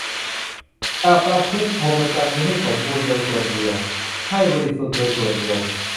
จะประพฤติพรหมจรรย์นี้ให้บริบูรณ์โดยส่วนเดียว ให้บริสุทธิ์โดยส่วนเดียว